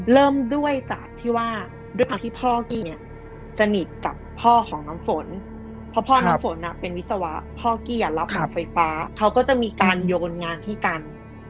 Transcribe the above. เริ่มด้วยจากที่ว่าด้วยความที่พ่อกี้เนี่ยสนิทกับพ่อของน้ำฝนเพราะพ่อน้ำฝนเป็นวิศวะพ่อกี้รับหนังไฟฟ้าเขาก็จะมีการโยนงานให้กัน